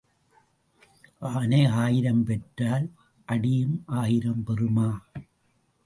ஆனை ஆயிரம் பெற்றால் அடியும் ஆயிரம் பெறுமா?